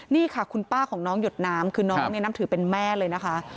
นี่ค่ะคุณป้าของน้องหยดน้ำคือน้องเนี่ยนับถือเป็นแม่เลยนะคะ